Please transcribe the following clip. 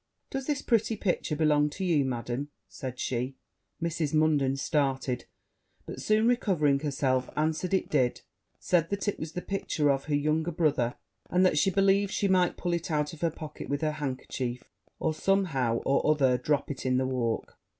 'Does this pretty picture belong to you, Madam?' said she. Mrs. Munden started; but, soon recovering herself, answered that it did said that it was the picture of her youngest brother and that she believed she might pull it out of her pocket with her handkerchief, or some how or other drop it in the walk.